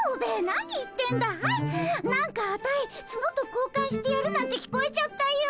なんかアタイツノと交換してやるなんて聞こえちゃったよ。